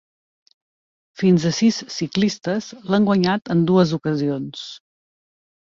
Fins a sis ciclistes l'han guanyat en dues ocasions.